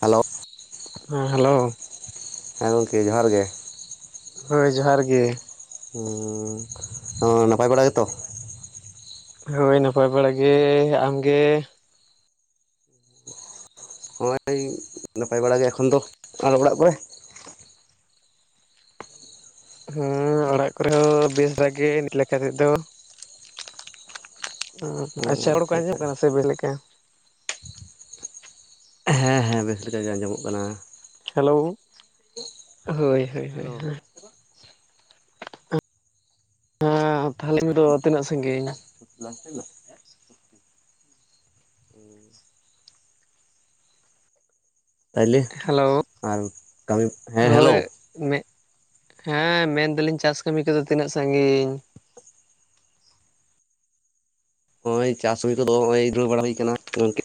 Hello ᱦᱮᱸ hello. ᱦᱮᱸ ᱜᱚᱝᱠᱮ ᱡᱚᱦᱟᱨ ᱜᱮ᱾ ᱦᱳᱭ ᱡᱚᱦᱟᱨ ᱜᱮ᱾ ᱦᱮᱸ ᱚ ᱱᱟᱯᱟᱭ ᱵᱟᱲᱟ ᱜᱮ ᱛᱚ᱾ ᱦᱳᱭ ᱱᱟᱯᱟᱭ ᱵᱟᱲᱟ ᱜᱮ, ᱟᱢ ᱜᱮ᱾ ᱦᱚᱜ-ᱚᱭ ᱱᱟᱯᱟᱭ ᱵᱟᱲᱟ ᱜᱮ ᱮᱠᱷᱚᱱ ᱫᱚ, ᱟᱨ ᱚᱲᱟᱜ ᱠᱚ ᱨᱮ᱾ ᱦᱮᱸ ᱚᱲᱟᱜ ᱠᱚ ᱨᱮ ᱦᱚᱸ ᱵᱮᱥ ᱵᱟᱲᱟ ᱜᱮ ᱱᱤᱛ ᱞᱮᱠᱟᱛᱮᱫ ᱫᱚ᱾ ᱚ ᱟᱪᱪᱷᱟ ᱨᱚᱲ ᱠᱚ ᱟᱸᱡᱚᱢᱚᱜ ᱠᱟᱱᱟ ᱥᱮ ᱵᱮᱥ ᱞᱮᱠᱟ᱾ ᱦᱮᱸ ᱦᱮᱸ ᱵᱮᱥ ᱞᱮᱠᱟ ᱜᱮ ᱟᱸᱡᱚ ᱢᱚᱜ ᱠᱟᱱᱟ᱾ ᱦᱮᱞᱳ ᱦᱳᱭ ᱦᱳᱭ᱾ ᱦᱮᱞᱳ ᱦᱮᱸ ᱛᱟᱦᱞᱮ [unintelligible] ᱛᱤᱱᱟᱹᱜ ᱥᱟᱹᱜᱤᱧ? [unintelligible] [inaudible] ᱛᱟᱦᱞᱮ ᱦᱮᱞᱳ ᱟᱨ ᱠᱟᱹᱢᱤ ᱦᱮᱸ ᱦᱮᱞᱳ᱾ ᱢᱮ ᱦᱮᱸ ᱢᱮᱱ ᱫᱟᱞᱤᱧ ᱪᱟᱥ ᱠᱟᱹᱢᱤ ᱠᱚ ᱫᱚ ᱛᱤᱱᱟᱹᱜ ᱥᱟᱹᱜᱤᱧ? ᱦᱳᱭ ᱪᱟᱥ [unintelligible] ᱫᱷᱩᱨᱟᱹᱣ ᱵᱟᱲᱟ ᱦᱩᱭ ᱠᱟᱱᱟ ᱜᱚᱝᱠᱮ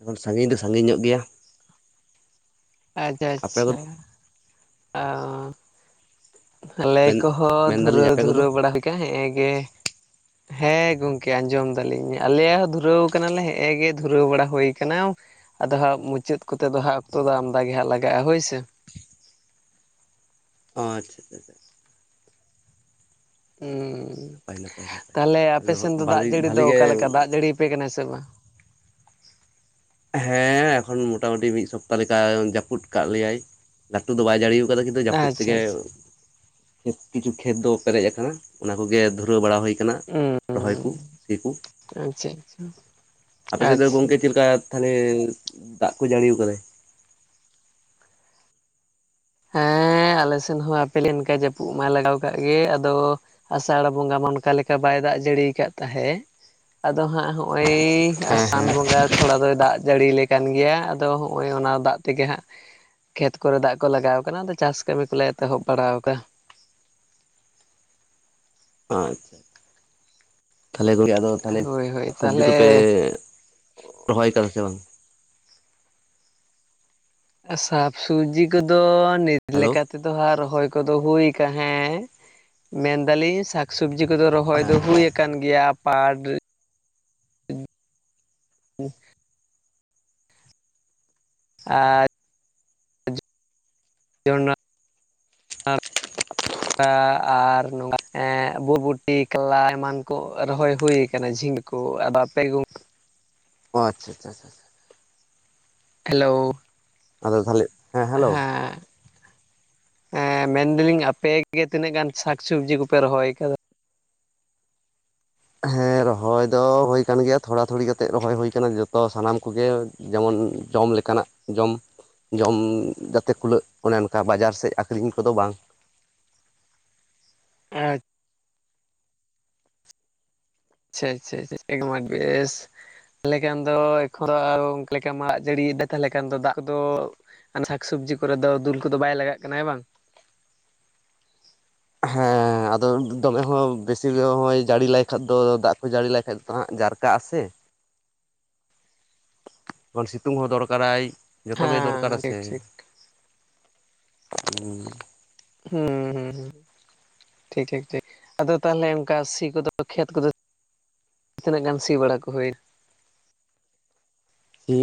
ᱮᱠᱷᱚᱱ ᱥᱟᱹᱜᱤᱧ ᱫᱚ ᱥᱟᱹᱜᱤᱧ ᱧᱚᱜ ᱜᱮᱭᱟ᱾ ᱟᱪ ᱟᱯᱮ ᱟᱪᱪᱷᱟ᱾ ᱠᱚᱫᱚ ᱚ ᱟᱞᱮ ᱢᱮᱱ ᱠᱚ ᱦᱚᱸ ᱢᱮᱱᱫᱟᱞᱤᱧ ᱫᱷᱩᱨᱟᱹᱣ ᱟᱯᱮ ᱠᱚᱫᱚ ᱫᱷᱩᱨᱟᱹᱣ ᱵᱟᱲᱟ ᱦᱩᱭ ᱠᱟ ᱦᱮᱜᱸᱮ ᱜᱮ᱾ ᱦᱮᱸ ᱜᱚᱝᱠᱮ ᱟᱸᱡᱚᱢ ᱫᱟᱞᱤᱧ ᱟᱞᱮ ᱦᱚᱸ ᱫᱷᱩᱨᱟᱹᱣ ᱠᱟᱱᱟᱞᱮ ᱦᱮᱸ ᱜᱮ ᱫᱷᱩᱨᱟᱹᱣ ᱵᱟᱲᱟ ᱦᱳᱭ ᱠᱟᱱᱟ᱾ ᱟᱫᱚ ᱦᱟᱜ ᱢᱩᱪᱟᱹᱫ ᱠᱚ ᱛᱮ ᱫᱚ ᱦᱟᱸᱜ ᱚᱠᱛᱚ ᱫᱚ ᱟᱢᱫᱟ ᱜᱮ ᱦᱟᱸᱜ ᱞᱟᱜᱟᱜᱼᱟ᱾ ᱦᱳᱭ ᱥᱮ᱾ ᱚ ᱟᱪᱪᱷᱟ ᱟᱪᱪᱷᱟ᱾ ᱩᱸᱸ ᱱᱟᱯᱟᱭ ᱱᱟᱯᱟᱭ ᱱᱟᱯᱟᱭ ᱛᱟᱦᱞᱮ ᱛᱟᱦᱚᱞᱮ ᱟᱯᱮ ᱥᱮᱱ ᱫᱚ ᱫᱟᱜ ᱵᱷᱟᱞᱤ ᱡᱟᱹᱲᱤ ᱵᱷᱟᱞᱤ ᱫᱚ ᱜᱮ ᱚᱠᱟ ᱞᱮᱠᱟ ᱫᱟᱜ ᱡᱟᱹᱲᱤ ᱭᱯᱮ ᱠᱟᱱᱟ ᱥᱮ ᱵᱟ? ᱦᱮᱸ ᱮᱠᱷᱚᱱ ᱢᱚᱴᱟ ᱢᱩᱴᱤ ᱢᱤᱫ ᱥᱚᱯᱛᱟ ᱞᱮᱠᱟ ᱡᱟᱹᱯᱩᱛ ᱠᱟᱫ ᱞᱮᱭᱟᱭ᱾ ᱞᱟᱹᱴᱩ ᱫᱚ ᱵᱟᱭ ᱡᱟᱹᱲᱤᱣ ᱠᱟᱫᱟ ᱠᱤᱱᱛᱩ ᱡᱟᱹᱯᱩᱫ ᱟᱪᱪᱷᱟ ᱛᱮᱜᱮ ᱟᱪᱪᱷᱟ [unintelligible] ᱠᱤᱪᱷᱩ ᱠᱷᱮᱛ ᱫᱚ ᱯᱮᱨᱮᱡ ᱠᱟᱱᱟ᱾ ᱚᱱᱟ ᱠᱚᱜᱮ ᱫᱷᱩᱨᱟᱹᱣ ᱵᱟᱲᱟ ᱦᱩᱭ ᱦᱩᱸ ᱨᱚᱦᱚᱭ ᱠᱩ ᱥᱮ ᱠᱚ ᱟᱪᱪᱷᱟ ᱟᱪᱪᱷᱟ ᱟᱯᱮ ᱥᱮᱫ ᱫᱚ ᱟᱪᱪᱷᱟ ᱜᱚᱝᱠᱮ ᱪᱮᱫ ᱞᱮᱠᱟ ᱛᱟᱦᱞᱮ ᱫᱟᱜ ᱠᱩ ᱡᱟᱹᱲᱤᱭ ᱟᱠᱟᱫᱟᱭ ᱦᱮᱸ ᱟᱞᱮ ᱥᱮᱱ ᱦᱚᱸ ᱟᱯᱮ, [unintelligible] ᱚᱱᱠᱟ ᱡᱟᱹᱯᱩᱫ ᱢᱟᱭ ᱞᱟᱜᱟᱣ ᱠᱟᱜ ᱜᱮ ᱟᱫᱚ ᱟᱥᱟᱲ ᱵᱚᱸᱜᱟ ᱢᱟ ᱚᱱᱠᱟ ᱞᱮᱠᱟ ᱵᱟᱭ ᱫᱟᱜ ᱡᱟᱹᱲᱤ ᱠᱟᱜ ᱛᱟᱦᱮᱸ᱾ ᱟᱫᱚ ᱦᱟᱸᱜ ᱦᱚᱜ ᱚᱭ ᱦᱮᱸ ᱥᱟᱱ ᱦᱮᱸ ᱵᱚᱸᱜᱟ ᱛᱷᱚᱲᱟ ᱫᱚ ᱫᱟᱜ ᱡᱟᱹᱲᱤ ᱠᱟᱱ ᱜᱮᱭᱟ ᱟᱫᱚ ᱦᱚᱸᱜ ᱚᱭ ᱚᱱᱟ ᱫᱟᱜ ᱛᱮ ᱜᱮ ᱦᱟᱸᱜ ᱠᱷᱮᱛ ᱠᱚ ᱨᱮ ᱫᱟᱜ ᱠᱚ ᱞᱟᱜᱟᱣ ᱠᱟᱱᱟ᱾ ᱟᱫᱚ ᱪᱟᱥ ᱠᱟᱹᱢᱤ ᱠᱚ ᱞᱮ ᱮᱛᱚᱦᱚᱵ ᱵᱟᱲᱟᱣ ᱠᱟᱜᱟ᱾ ᱟᱪᱪᱷᱟ ᱛᱟᱦᱞᱮ ᱦᱳᱭ ᱦᱳᱭ [unintelligible] ᱥᱚᱵᱡᱤ ᱠᱚ ᱯᱮ ᱛᱟᱦᱚᱞᱮ ᱨᱚᱦᱚᱭ ᱠᱟᱱᱟ ᱥᱮ ᱵᱟᱝ? ᱥᱟᱠ ᱥᱩᱵᱡᱤ ᱠᱚ ᱫᱚ, ᱱᱤᱛ ᱦᱮᱞᱳ ᱞᱮᱠᱟ ᱛᱮ ᱫᱚ ᱦᱟᱸᱜ, ᱨᱚᱦᱚᱭ ᱠᱚᱫᱚ ᱦᱩ‌ ᱠᱟ ᱦᱮᱸ ᱢᱮᱱ ᱫᱟᱞᱤᱧ ᱥᱟᱠ ᱥᱚᱵᱡᱤ ᱠᱚᱫᱚ ᱨᱚᱦᱚᱭ ᱫᱚ ᱦᱩᱭ ᱠᱟᱱ ᱜᱮᱭᱟ ᱯᱟᱴ [unintelligible] ᱟᱻᱡ [unintelligible] [unintelligible] ᱵᱚᱨ ᱵᱩᱴᱤ ᱠᱟᱞᱞᱟ ᱮᱢᱟᱱ ᱠᱚ ᱨᱚᱦᱚᱭ ᱦᱩᱭ ᱠᱟᱱᱟ ᱡᱷᱤᱸᱰ [unintelligible] ᱚ ᱟᱪᱷᱟ ᱪᱷᱟ ᱦᱮᱞᱳ᱾ ᱟᱫᱚ ᱛᱟᱦᱚᱞᱮ ᱦᱟᱸ ᱮᱸ ᱢᱮᱱᱫᱟᱞᱤᱧ ᱟᱯᱮ ᱜᱮ ᱛᱤᱱᱟᱹᱜ ᱜᱟᱱ ᱥᱟᱠ ᱥᱚᱵᱽᱡᱤ ᱠᱚᱯᱮ ᱨᱚᱦᱚᱭ ᱠᱟᱫᱟ? ᱦᱮᱸ ᱨᱚᱦᱚᱭ ᱫᱚ ᱦᱩᱭ ᱠᱟᱱ ᱜᱮᱭᱟ ᱛᱷᱚᱲᱟ ᱛᱷᱩᱲᱤ ᱠᱟᱛᱮᱫ ᱨᱚᱦᱚᱭ ᱦᱩᱭ ᱟᱠᱟᱱᱟ ᱡᱚᱛᱚ ᱥᱟᱱᱟᱢ ᱠᱚᱜᱮ ᱡᱚᱢᱚᱱ ᱡᱚᱢ ᱞᱮᱠᱟᱱᱟᱜ ᱡᱚᱢ ᱡᱚᱢ ᱡᱟᱛᱮ ᱠᱷᱩᱞᱟᱹᱜ, ᱚᱱᱮ ᱚᱱᱠᱟ ᱵᱟᱡᱟᱨ ᱥᱮᱫ ᱟᱹᱠᱷᱨᱤᱧ ᱠᱚᱫᱚ ᱵᱟᱝ ᱾ [unintelligible] ᱪᱷᱟ ᱪᱷᱟ [unintelligible] ᱵᱮᱥ ᱛᱟᱦᱚᱞᱮ ᱠᱷᱟᱱ ᱫᱚ [unintelligible] ᱞᱮᱠᱟ ᱢᱟᱜ, ᱡᱟᱹᱲᱤᱭ ᱫᱟ ᱛᱟᱦᱚᱞᱮ ᱠᱷᱟᱱ ᱫᱚ ᱫᱟᱜ ᱠᱚᱫᱚ᱾ ᱥᱟᱠᱥ ᱚᱵᱽᱡᱤ ᱠᱚᱨᱮ ᱫᱚ ᱫᱩᱞ ᱠᱚᱫᱚ ᱵᱟᱭ ᱞᱟᱜᱟᱜ ᱠᱟᱱᱟ ᱦᱮᱸ ᱵᱟᱝ? ᱦᱮᱸ ᱟᱫᱚ ᱫᱚᱢᱮ ᱦᱚᱸ ᱵᱤᱥᱤ ᱦᱚᱭ ᱡᱟᱹᱲᱤ ᱞᱟᱭᱠᱷᱟᱭ ᱠᱷᱟᱡ ᱫᱚ ᱫᱟᱜ ᱠᱚ ᱡᱟᱹᱲᱤ ᱞᱟᱭ ᱠᱷᱟᱡ ᱫᱚ ᱦᱟᱸᱜ ᱡᱟᱨ ᱠᱟᱜᱼᱟ ᱥᱮ! ᱡᱚᱠᱷᱚᱱ ᱥᱤᱛᱩᱝ ᱦᱚᱸ ᱫᱚᱨᱠᱟᱨᱟᱭ ᱡᱚᱛᱚᱜᱮᱭ ᱫᱚᱨᱠᱟᱨᱟ ᱦᱮᱸ ᱴᱷᱤᱠ ᱥᱮ᱾ ᱴᱷᱤᱠ ᱦᱩᱸ ᱾ ᱦᱩᱸᱻ ᱦᱩᱸ ᱦᱩᱸ ᱾ ᱴᱷᱤᱠ ᱴᱷᱤᱠ ᱴᱷᱤᱠ, ᱟᱫᱚ ᱛᱟᱦᱚᱞᱮ ᱚᱱᱠᱟ ᱥᱤ ᱠᱚᱫᱚ ᱠᱷᱮᱛ ᱠᱚᱫᱚ ᱛᱤᱱᱟᱹᱜ ᱜᱟᱱ ᱥᱤ ᱵᱟᱲᱟ ᱠᱚ ᱦᱩᱭᱱᱟ? ᱥᱤ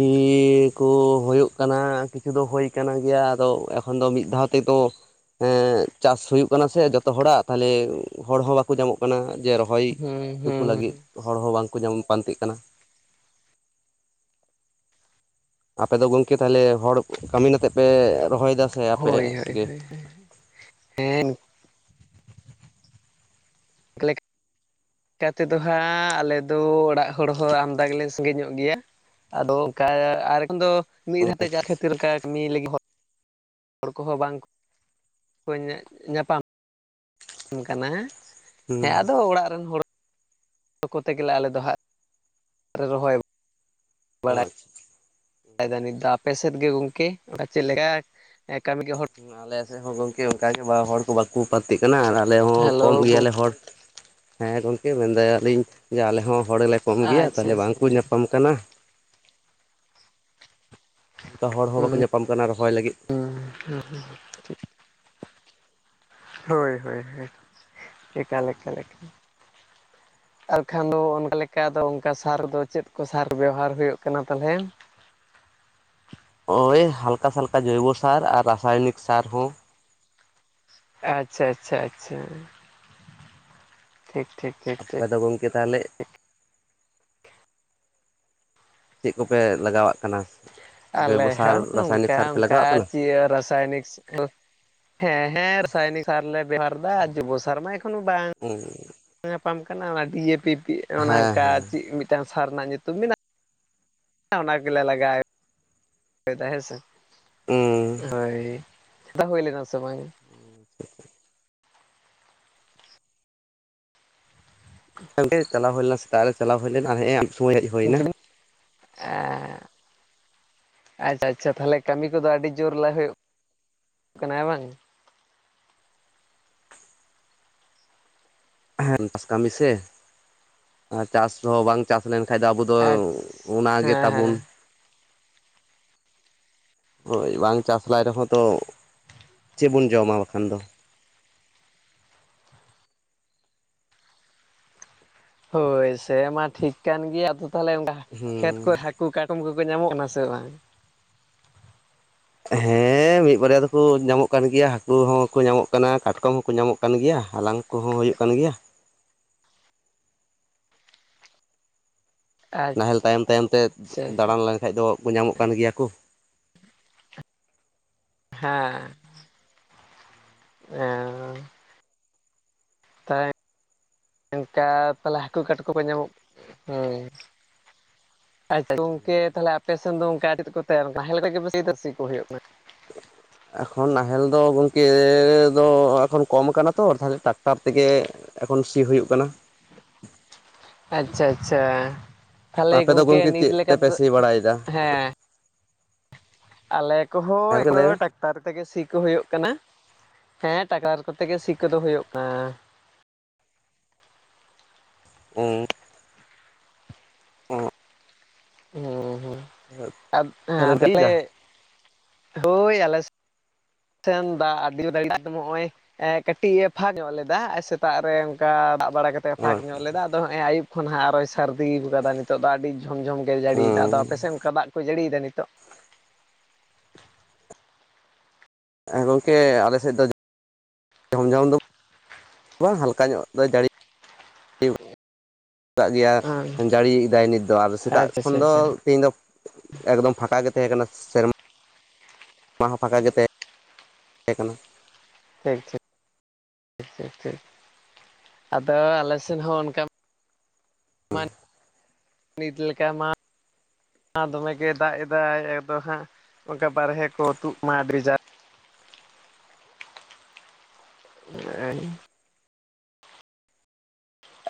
ᱠᱚ ᱦᱳᱭᱳᱜ ᱠᱟᱱᱟ ᱠᱤᱪᱷᱩ ᱫᱚ ᱦᱩᱭ ᱠᱟᱱ ᱜᱮᱭᱟ ᱟᱫᱚ ᱮᱠᱷᱚᱱ ᱫᱚ ᱢᱤᱫ ᱫᱷᱟᱣ ᱛᱮᱫᱚ ᱮ ᱪᱟᱥ ᱦᱩᱭᱩᱜ ᱠᱟᱱᱟ ᱥᱮ ᱡᱚᱛᱚ ᱦᱚᱲᱟᱜ ᱛᱟᱞᱦᱮ ᱦᱚᱲ ᱦᱚᱸ ᱵᱟᱠᱚ ᱧᱟᱢᱚᱜ ᱠᱟᱱᱟ ᱡᱮ ᱨᱚ ᱦᱚᱭ ᱦᱩᱸ ᱪᱚ ᱠᱩ ᱦᱩᱸ ᱞᱟᱹᱜᱤᱫ ᱦᱚᱲ ᱦᱚᱸ ᱵᱟᱝᱠᱚ ᱧᱟᱢ ᱯᱟᱱᱛᱮᱜ ᱠᱟᱱᱟ᱾ ᱟᱯᱮ ᱫᱚ ᱜᱚᱝᱠᱮ ᱛᱟᱦᱚᱞᱮ ᱦᱚᱲ ᱠᱟᱹᱢᱤᱱ ᱱᱟᱛᱮᱫ ᱯᱮ ᱨᱚᱦᱚᱭᱮᱫᱟ ᱥᱮ ᱟᱯᱮ ᱜᱮ? ᱦᱮᱸ ᱾ [unintelligible] ᱠᱟᱛᱮᱫᱚ ᱦᱟᱸᱜ ᱟᱞᱮᱫᱚ ᱚᱲᱟᱜ ᱦᱚᱲ ᱦᱚᱸ ᱟᱢᱫᱟ ᱜᱮᱞᱮ ᱥᱟᱺᱜᱮ ᱧᱚᱜ ᱜᱮᱭᱟ ᱟᱫᱚ ᱚᱱᱠᱟ ᱟᱨ ᱮᱠᱷᱚᱱ ᱫᱚ ᱢᱤᱫ ᱫᱷᱟᱛᱮ ᱪᱟ ᱠᱷᱟᱛᱤᱨ ᱚᱝᱠᱟ ᱢᱤᱫ ᱞᱟᱹᱜᱤ ᱦᱚ ᱦᱚᱲ ᱠᱚᱦᱚᱸ ᱵᱟᱝ ᱠᱚ ᱧᱟ-ᱧᱟᱯᱟᱢ ᱠᱟᱱᱟ᱾ ᱦᱩᱸ ᱦᱮᱸ ᱟᱫᱚ ᱚᱲᱟᱜ ᱨᱮᱱ ᱦᱚᱲ ᱡᱚᱠᱚ ᱛᱮ ᱜᱮᱞᱮ ᱟᱞᱮ ᱫᱚ ᱦᱟᱸᱜ ᱞᱮ ᱨᱚᱦᱚᱭ ᱟᱪᱪᱷᱟ ᱾ ᱫᱟ ᱱᱤᱛ ᱫᱚ ᱟᱯᱮ ᱥᱮᱫ ᱜᱮ ᱜᱚᱝᱠᱮ ᱚᱝᱠᱟ ᱪᱮᱫ ᱞᱮᱠᱟ ᱮ ᱠᱟᱹᱢᱤᱜ ᱦᱚᱲ ᱟᱞᱮ ᱥᱮᱫ ᱦᱚᱸ ᱜᱚᱝᱠᱮ ᱚᱱᱠᱟ ᱜᱮ ᱵᱟ ᱦᱚᱲ ᱠᱚ ᱵᱟᱠ ᱠᱚ ᱯᱟᱹᱛᱤᱜ ᱠᱟᱱᱟ ᱟᱨ ᱟᱞᱮ ᱦᱚᱸ ᱦᱮᱞᱳ ᱠᱚᱢ ᱜᱚᱝ ᱜᱮᱭᱟᱞᱮ ᱦᱚᱲ, ᱦᱮᱸ ᱜᱚᱝᱠᱮ ᱢᱮᱱᱫᱟᱭ ᱟᱹᱞᱤᱧ ᱡᱮ ᱟᱞᱮ ᱦᱚᱸ ᱦᱚᱲᱞᱮ ᱠᱚᱢ ᱜᱮᱭᱟ ᱟᱪᱪᱷᱟ ᱛᱟᱦᱚᱞᱮ ᱵᱟᱝᱠᱚ ᱟᱪᱪᱷᱟ ᱧᱟᱯᱟᱢ ᱠᱟᱱᱟ ᱾ ᱛᱚ ᱦᱚᱲ ᱦᱚᱸ ᱵᱟᱠᱚ ᱧᱟᱯᱟᱢ ᱠᱟᱱᱟ ᱨᱚᱦᱚᱭ ᱞᱟᱹᱜᱤᱫ᱾ ᱦᱩᱸ ᱦᱩᱸ, ᱪᱮᱫ ᱦᱳᱭ ᱦᱳᱭ, ᱮᱠᱟᱞ ᱮᱠᱟᱞ ᱮᱠᱟᱞ ᱾ ᱟᱨᱠᱷᱟᱱ ᱫᱚ ᱚᱱᱠᱟ ᱞᱮᱠᱟ ᱫᱚ ᱚᱱᱠᱟ ᱥᱟᱨ ᱫᱚ ᱪᱮᱫ ᱠᱚ ᱥᱟᱨ ᱵᱮᱣᱦᱟᱨ ᱦᱩᱭᱩᱜ ᱠᱟᱱᱟ ᱛᱟᱦᱚᱞᱮ? ᱳᱭ ᱦᱟᱞᱠᱟᱥᱟᱞᱠᱟ ᱡᱚᱭᱵᱚ ᱥᱟᱨ ᱟᱨ ᱨᱟᱥᱟᱭᱚᱱᱤᱠ ᱥᱟᱨ ᱦᱚᱸ᱾ ᱟᱪᱪᱷᱟ ᱟᱪᱪᱷᱟ ᱟᱪᱪᱷᱟ ᱾ ᱴᱷᱤᱠ ᱴᱷᱤᱠ ᱴᱷᱤᱠ ᱾ ᱟᱯᱮ ᱫᱚ ᱜᱚᱝᱠᱮ ᱛᱟᱦᱚᱞᱮ ᱪᱮᱫ ᱠᱚᱯᱮ ᱞᱟᱜᱟᱣᱟᱜ ᱠᱟᱱᱟ? ᱟᱞᱮ ᱡᱳᱭᱵᱚ ᱥᱟᱨ ᱦᱚᱸ ᱨᱟᱥᱟᱭᱚᱱᱤᱠ ᱱᱚᱝᱠᱟ ᱥᱟᱨ ᱯᱮ ᱚᱝᱠᱟ ᱞᱟᱜᱟᱣᱟᱜ ᱠᱟᱱᱟ ᱪᱤᱭᱟᱹ ᱨᱟᱥᱟᱭᱱᱤᱠ [inaudible] ᱦᱮᱸ ᱦᱮᱸ ᱨᱟᱥᱟᱭᱱᱤᱠ ᱥᱟᱨ ᱞᱮ ᱵᱮᱵᱦᱟᱨ ᱫᱟ ᱟᱨ ᱡᱩᱵᱚ ᱥᱟᱨ ᱢᱟ ᱮᱠᱷᱚᱱᱳ ᱵᱟᱝ ᱦᱩᱸ ᱾ ᱧᱟᱯᱟᱢ ᱠᱟᱱᱟ ᱚᱱᱟ ᱰᱤᱭᱮᱯᱤ ᱯᱤ ᱚᱱᱠᱟ ᱦᱮᱸ ᱪᱮᱫ ᱢᱤᱫᱴᱟᱱ ᱥᱟᱨ ᱨᱮᱱᱟᱜ ᱧᱩᱛᱩᱢ ᱢᱮᱱᱟᱜ ᱟ ᱚᱱᱟ ᱜᱮᱞᱮ ᱞᱟᱜᱟᱭ ᱮᱫᱟ ᱦᱮᱸᱥᱮ ᱾ ᱦᱮᱸ ᱦᱳᱭ, [inaudible] ᱦᱩᱭ ᱞᱮᱱᱟ ᱥᱮ ᱵᱟᱝ? [inaudible] ᱜᱚᱝᱠᱮ ᱪᱟᱞᱟ ᱦᱩᱭ ᱞᱮᱱᱟ ᱥᱮᱛᱟᱜ ᱨᱮ ᱪᱟᱞᱟᱣ ᱦᱩᱭ ᱞᱮᱱᱟ ᱟᱨ ᱦᱮᱸᱜᱼᱮ ᱟᱹᱭᱩᱵ ᱥᱚᱢᱚᱭ ᱦᱮᱡ ᱦᱩᱭ ᱮᱱᱟ ᱾ ᱮᱸᱻ ᱟᱪᱪᱷᱟ ᱟᱪᱪᱷᱟ ᱛᱟᱦᱚᱞᱮ ᱠᱟᱹᱢᱤ ᱠᱚᱫᱚ ᱟᱹᱰᱤ ᱡᱳᱨ ᱞᱮ ᱦᱩᱭᱩᱜ ᱠᱟᱱᱟ ᱦᱮᱸ ᱵᱟᱝ! ᱦᱮᱸ ᱪᱟᱥ ᱠᱟᱹᱢᱤ ᱥᱮ ᱟᱨ ᱪᱟᱥ ᱨᱮᱦᱚᱸ ᱵᱟᱝ ᱪᱟᱥ ᱞᱮᱱᱠᱷᱟᱱ ᱫᱚ ᱟᱵᱚ ᱫᱚ ᱟᱪᱪᱷᱟ ᱚᱱᱟ ᱜᱮ ᱦᱮᱸ ᱛᱟᱵᱚᱱ ᱦᱮᱸ [inaudible] ᱦᱳᱭ ᱵᱟᱝ ᱪᱟᱥ ᱞᱟᱭ ᱨᱮᱦᱚᱸ ᱛᱚ ᱪᱮᱫ ᱵᱚᱱ ᱡᱚᱢᱟ ᱵᱟᱠᱷᱟᱱ ᱫᱚ? ᱦᱳᱭ ᱥᱮᱢᱟ ᱴᱷᱤᱠ ᱠᱟᱱ ᱜᱮᱭᱟ ᱟᱫᱚ ᱛᱟᱦᱟᱞᱮ [unintelligible] ᱠᱷᱮᱛ ᱠᱚ ᱦᱩᱸ [unintelligible] ᱠᱩ ᱠᱟᱠᱚᱢ ᱠᱚᱠᱚ ᱧᱟᱢᱚᱜ ᱠᱟᱱᱟ ᱥᱮ ᱵᱟᱝ? ᱦᱮᱸ ᱢᱤᱫ ᱵᱟᱨᱭᱟ ᱫᱚᱠᱚ ᱧᱟᱢᱚᱜ ᱠᱟᱱ ᱜᱮᱭᱟ ᱦᱟᱹᱠᱩ ᱦᱚᱸ ᱠᱚ ᱧᱟᱢᱚᱜ ᱠᱟᱱᱟ, ᱠᱟᱴᱠᱚᱢ ᱦᱚᱸ ᱠᱚ ᱧᱟᱢᱚᱜ ᱠᱟᱱ ᱜᱮᱭᱟ, ᱦᱟᱞᱟᱝ ᱠᱚᱦᱚᱸ ᱦᱩᱭᱩᱜ ᱠᱟᱱ ᱜᱮᱭᱟ᱾ ᱱᱟᱦᱮᱞ ᱛᱟᱭᱚᱢ ᱛᱟᱭᱚᱢ ᱛᱮ ᱟᱪᱪᱷᱟ ᱫᱟᱬᱟᱱ ᱞᱮᱱᱠᱷᱟᱡ ᱫᱚ ᱧᱟᱢᱚᱜ ᱠᱟᱱ ᱜᱮᱭᱟ ᱠᱩ᱾ ᱦᱮᱸ ᱮᱸ ᱛᱟᱭ ᱤᱝᱠᱟ ᱛᱟᱞᱦᱮ ᱦᱟᱹᱠᱩ ᱠᱟᱴᱠᱩᱢ ᱠᱚ ᱧᱟᱢᱚᱜ ᱦᱩᱸ᱾ ᱟᱪᱪᱷᱟ ᱜᱚᱝᱠᱮ ᱛᱟᱞᱦᱮ ᱟᱯᱮ ᱥᱮᱱ ᱫᱚ ᱚᱝᱠᱟ ᱪᱮᱫ ᱠᱚ [unintelligible] ᱠᱟᱱᱟ ᱱᱟᱦᱮᱞ ᱛᱮᱜᱮᱯᱮ ᱥᱤᱫᱟ ᱥᱤ ᱠᱚ ᱦᱩᱭᱩᱜ ᱠᱟᱱᱟ᱾ ᱮᱠᱷᱚᱱ ᱱᱟᱦᱮᱞ ᱫᱚ ᱜᱚᱝᱠᱮ ᱫᱚ ᱮᱠᱷᱚᱱ ᱠᱚᱢ ᱠᱟᱱᱟ ᱛᱚ ᱛᱟᱦᱞᱮ ᱴᱟᱠᱴᱟᱨ ᱛᱮᱜᱮ ᱮᱠᱷᱚᱱ ᱥᱤ ᱦᱩᱭᱩᱜ ᱠᱟᱱᱟ᱾ ᱟᱪᱪᱷᱟ ᱟᱪᱪᱷᱟ ᱛᱟᱞᱦᱮ ᱟᱯᱮ ᱫᱚ ᱜᱚᱝᱠᱮ ᱜᱚᱢᱠᱮ ᱱᱤᱛ ᱪᱮᱫ ᱞᱮᱠᱟ ᱛᱮᱯᱮ ᱛᱮᱫᱚ ᱥᱤ ᱵᱟᱲᱟᱭᱮᱫᱟ ᱦᱮᱸ ᱟᱞᱮ ᱠᱚᱦᱚ ᱦᱮᱸ ᱜᱚᱢᱠᱮ ᱞᱟᱹᱭ ᱢᱮ [unintelligible] ᱛᱟᱨ ᱛᱮᱜᱮ ᱥᱤ ᱠᱚ ᱦᱳᱭᱳᱜ ᱠᱟᱱᱟ, ᱦᱮᱸ ᱴᱟᱠᱟᱴᱟᱨ ᱠᱚᱛᱮᱜᱮ ᱥᱤ ᱠᱚᱫᱚ ᱦᱳᱭᱳᱜ ᱮᱸᱼᱼ ᱦᱩᱸ [inaudible] ᱦᱩᱸ ᱦᱩᱸ ᱛᱟᱦᱚᱞᱮ ᱟᱫᱚ ᱡᱟᱹᱲᱤᱭᱮᱫᱟ [unintelligible] ᱦᱳᱭ ᱟᱞᱮ ᱥᱮᱱ ᱫᱟᱜ ᱟᱹᱰᱤ [unintelligible] ᱫᱚᱢᱮ ᱦᱚᱭ ᱮᱸ ᱠᱟᱹᱴᱤᱡ ᱮ ᱯᱷᱟᱠ ᱧᱚᱜ ᱞᱮᱫᱟ ᱟᱨ ᱥᱮᱛᱟᱜ ᱨᱮ ᱚᱝᱠᱟ ᱫᱟᱜ ᱵᱟᱲᱟ ᱠᱟ ᱛᱮ ᱯᱷᱟᱸᱠ ᱧᱚᱜ ᱞᱮᱫᱟ ᱟᱫᱚ ᱦᱚᱸᱜᱚᱭ ᱟᱹᱭᱩᱵ ᱠᱷᱚᱱ ᱦᱟᱸᱜ ᱟᱨᱚᱭ ᱥᱟᱹᱨᱫᱤ [unintelligible] ᱱᱤᱛᱳᱜ ᱫᱚ ᱟᱹᱰᱤ ᱡᱷᱚᱢ ᱡᱷᱚᱢ ᱜᱮ ᱡᱟᱹᱲᱤᱭᱫᱟ ᱟᱫᱚ ᱟᱯᱮ ᱥᱮ ᱚᱝᱠᱟ ᱫᱟᱜ ᱠᱚᱭ ᱡᱟᱹᱲᱤᱭᱫᱟ ᱱᱤᱛᱳᱜ? ᱦᱮᱸ ᱜᱚᱝᱠᱮ ᱟᱞᱮ ᱥᱮᱫ ᱫᱚ ᱡᱷᱚᱢ ᱡᱷᱚᱢ ᱫᱚ ᱵᱟᱝ ᱦᱟᱞᱠᱟ ᱧᱚᱜ ᱫᱚ [unintelligible] ᱠᱟᱜ ᱜᱮᱭᱟ ᱡᱟᱹᱲᱤᱭᱫᱟᱭ ᱱᱤᱛ ᱫᱚ ᱟᱨ ᱥᱮᱛᱟᱜ ᱟᱪᱪᱷᱟ ᱠᱷᱚᱱ ᱟᱪᱪᱷᱟ ᱫᱚ ᱟᱪᱪᱷᱟ ᱛᱮᱦᱮᱧ ᱫᱚ ᱮᱠᱫᱚᱢ ᱯᱷᱟᱸᱠᱟ ᱜᱮ ᱛᱟᱦᱮᱸ ᱠᱟᱱᱟ ᱥᱮᱨᱢᱟ᱾ ᱢᱟ ᱦᱚᱸ ᱯᱷᱟᱸᱠᱟ ᱜᱮ ᱛᱟᱦᱮᱸ ᱛᱟᱦᱮᱸ ᱠᱟᱱᱟ᱾ ᱴᱷᱤᱠ ᱴᱷᱤᱠ [unintelligible] ᱟᱫᱚ ᱟᱞᱮ ᱥᱮᱱ ᱦᱚᱸ ᱚᱱᱠᱟ ᱢᱟ ᱱᱤᱛ ᱞᱮᱠᱟ ᱢᱟ ᱟᱨ ᱫᱚᱢᱮᱜᱮ ᱫᱟᱜ ᱮᱫᱟᱭ ᱮᱠᱫᱚᱢ ᱦᱟᱸᱜ ᱚᱝᱠᱟ ᱵᱟᱨᱦᱮ ᱠᱚ ᱛᱩᱫ ᱢᱟ ᱟᱹᱰᱤ ᱵᱮᱡᱟᱨ [inaudible]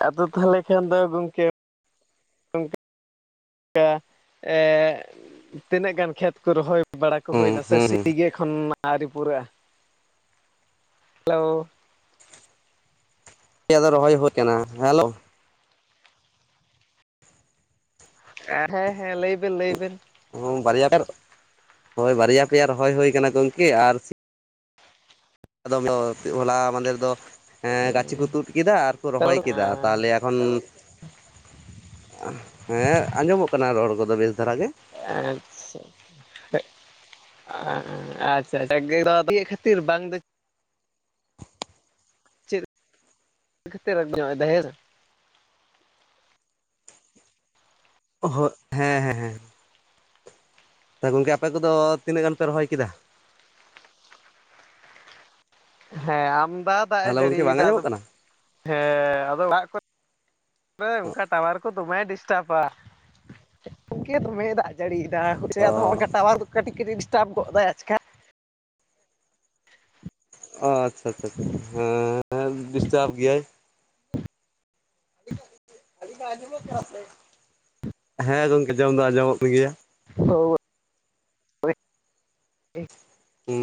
ᱟᱫᱚ ᱛᱟᱦᱟᱞᱮ ᱠᱷᱟᱱ ᱫᱚ ᱜᱚᱝᱠᱮ ᱠᱟ ᱮᱸ ᱛᱤᱱᱟᱹᱜ ᱜᱟᱱ ᱠᱷᱮᱛ ᱠᱚ ᱨᱚᱦᱚᱭ ᱵᱟᱲᱟ ᱠᱚ ᱦᱩᱸ ᱦᱩᱭᱱᱟ ᱥᱮ ᱦᱩᱸ ᱥᱤ ᱥᱤ ᱦᱩᱸ ᱜᱮ ᱮᱠᱷᱚᱱ ᱟᱹᱣᱨᱤ ᱯᱩᱨᱟᱹᱜ-ᱟ? ᱦᱮᱞᱳ [unintelligible] ᱫᱚ ᱨᱚᱦᱚᱭ ᱦᱳᱭ ᱠᱟᱱᱟ ᱦᱮᱞᱳ᱾ ᱦᱮᱸ ᱦᱮᱸ ᱞᱟᱹᱭ ᱵᱤᱱ ᱞᱟᱹᱭ ᱵᱤᱱ᱾ ᱵᱟᱨᱭᱟ ᱯᱮ ᱦᱳᱭ ᱵᱟᱨᱭᱟ ᱯᱮᱭᱟ ᱨᱚᱦᱚᱭ ᱦᱳᱭ ᱠᱟᱱᱟ ᱜᱚᱝᱠᱮ ᱟᱨ ᱟᱫᱚᱢ ᱫᱚ ᱦᱚᱞᱟ ᱢᱟᱸᱫᱮ ᱫᱚ ᱮᱸ ᱜᱟᱪᱷᱤ ᱠᱚ ᱛᱩᱫ ᱠᱮᱫᱟ ᱟᱨ ᱠᱚ ᱨᱚᱦᱚᱭ ᱨᱚᱲ ᱠᱮᱫᱟ᱾ ᱛᱟᱦᱟᱞᱮ ᱮᱠᱷᱚᱱ ᱦᱮᱸ ᱟᱸᱡᱚᱢᱚᱜ ᱠᱟᱱᱟ ᱨᱚᱲ ᱠᱚᱫᱚ ᱵᱮᱥ ᱫᱷᱟᱨᱟ ᱜᱮ᱾ ᱟᱪᱪᱷᱟ ᱟᱪᱪᱷᱟ [unintelligible] ᱠᱷᱟᱛᱤᱨ ᱵᱟᱝ ᱫᱚ ᱪᱮᱫ ᱠᱷᱟᱹᱛᱤᱨ [unintelligible] ᱦᱳ ᱦᱮᱸ ᱦᱮᱸ ᱦᱮᱸ ᱦᱮᱸ᱾ ᱛᱟᱦᱚᱞᱮ ᱜᱚᱝᱠᱮ ᱟᱯᱮ ᱠᱚᱫᱚ ᱛᱤᱱᱟᱹᱜ ᱜᱟᱱ ᱯᱮ ᱨᱚᱦᱚᱭ ᱠᱮᱫᱟ? ᱦᱮᱸ ᱟᱢᱫᱟ ᱫᱟᱜ ᱮ ᱦᱮᱞᱳ ᱜᱚᱝᱠᱮ ᱵᱟᱝ ᱡᱟᱹᱲᱤᱭᱮᱫᱟ ᱟᱫᱚ ᱟᱸᱡᱚᱢᱚᱜ ᱟᱫᱚ ᱠᱟᱱᱟ ᱦᱮᱸ ᱟᱫᱚ ᱚᱲᱟᱜ ᱠᱚᱨᱮ ᱚ ᱚᱱᱠᱟ ᱴᱟᱣᱟᱨ ᱠᱚ ᱫᱚᱢᱟᱭ ᱰᱤᱥ ᱴᱟᱯᱟ ᱜᱚᱢᱠᱮ ᱫᱚᱢᱮ ᱫᱟᱜ ᱡᱟᱹᱲᱤᱭ ᱫᱟ ᱦᱳᱭᱥᱮ ᱚ ᱟᱫᱚ ᱦᱚᱝᱠᱟ ᱠᱟᱴᱟᱣᱟᱨ ᱠᱟᱹᱴᱤᱡ ᱠᱟᱹᱴᱤᱡ ᱰᱤᱥᱴᱟᱵ ᱜᱚᱫᱟᱭ ᱟᱪᱠᱟ᱾ ᱚ ᱟᱪᱪᱷᱟ ᱟᱪᱪᱷᱟ ᱟᱪᱪᱷᱟ ᱦᱮᱸ ᱰᱤᱥᱴᱟᱵᱽ ᱜᱮᱭᱟᱭ᱾ [unintelligible] ᱟᱹᱞᱤᱧᱟᱜ ᱟᱡᱚᱢ ᱠᱟᱱᱟ ᱥᱮ? ᱦᱮᱸ ᱜᱚᱢᱠᱮ ᱟᱡᱚᱢ ᱫᱚ ᱟᱡᱚᱢᱚᱜ ᱠᱟᱱ ᱜᱮᱭᱟ᱾ [unintelligible] ᱦᱩ᱾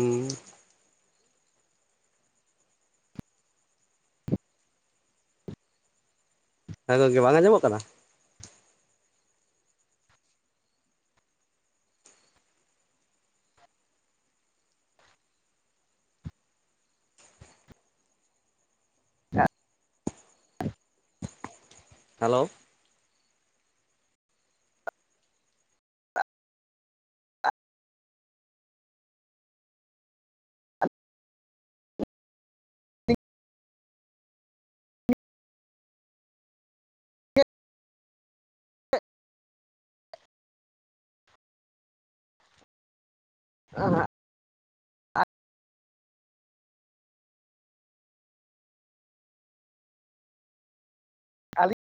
ᱦᱮᱸ ᱜᱚᱢᱠᱮ ᱵᱟᱝ ᱟᱸᱡᱚᱢᱚᱜ ᱠᱟᱱᱟ? ᱦᱮᱞᱳ, ᱮ ᱦᱮ᱾ [unintelligible]